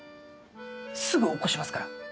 すぐ起こしますから。